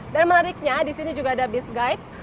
dan menariknya di sini juga ada bis guide